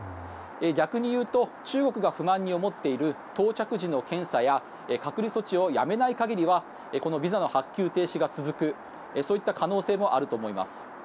逆に言うと中国が不満に思っている到着時の検査や隔離措置をやめない限りはこのビザの発給停止が続くそういった可能性もあると思います。